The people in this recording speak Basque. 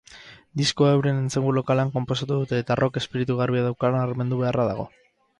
Diskoa euren entsegu-lokalean konposatu dute eta rock espiritu garbia daukala nabarmendu beharra dago.